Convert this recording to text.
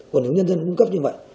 của những nhân dân cung cấp như vậy